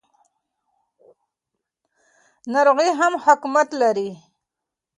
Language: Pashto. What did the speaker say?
ناروغي هم حکمت لري.